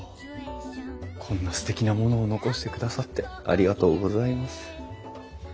こんなすてきなものを残してくださってありがとうございます。